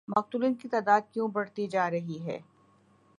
مقتولین کی تعداد کیوں بڑھتی جارہی ہے؟